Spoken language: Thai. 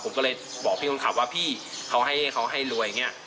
ผมก็เลยบอกพี่คนขับว่าพี่เขาให้เขาให้รวยอย่างนี้